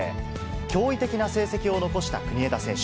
驚異的な成績を残した国枝選手。